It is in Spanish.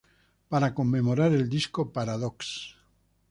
Para conmemorar el disco "Paradox".